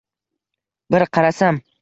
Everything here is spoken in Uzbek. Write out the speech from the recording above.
Bir qarasam